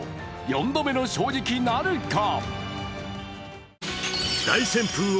４度目の正直なるか。